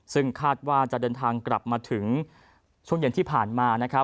ซึ่งคาดว่าจะเดินทางกลับมาถึงช่วงเย็นที่ผ่านมา